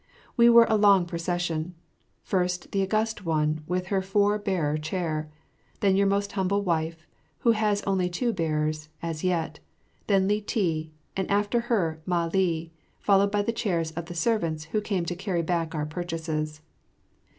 We were a long procession. First, the August One with her four bearer chair; then your most humble wife, who has only two bearers as yet; then Li ti; and after her Mah li, followed by the chairs of the servants who came to carry back our purchases.